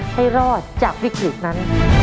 ให้รอดจากวิกฤตนั้น